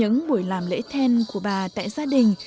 những buổi làm lễ then của bà tại gia đình